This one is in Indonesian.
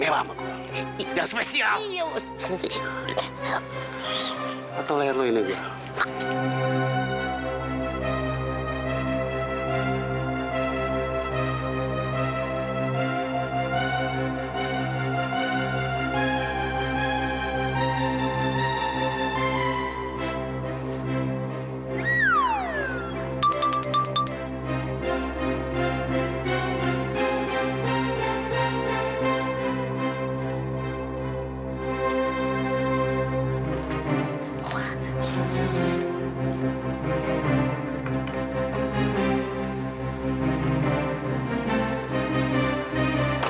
papa nyatakan saksi ya